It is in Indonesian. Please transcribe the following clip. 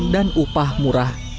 dan upah murah